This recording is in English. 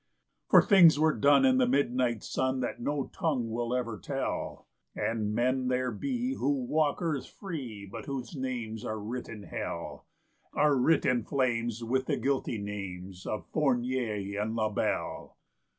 For things were done in the Midnight Sun that no tongue will ever tell; And men there be who walk earth free, but whose names are writ in hell Are writ in flames with the guilty names of Fournier and Labelle.